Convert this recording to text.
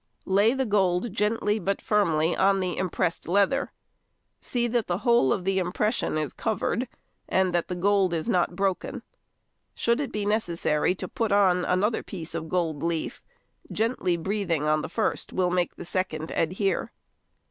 Lay the gold gently but firmly on the impressed leather. See that the whole of the impression is covered, and that the gold is not broken. Should it be necessary to put on another piece of gold leaf, gently breathing on the first will make the second adhere.